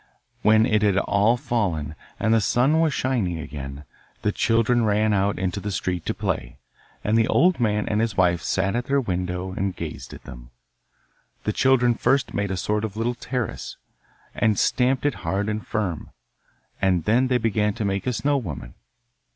When it had all fallen, and the sun was shining again, the children ran out into the street to play, and the old man and his wife sat at their window and gazed at them. The children first made a sort of little terrace, and stamped it hard and firm, and then they began to make a snow woman.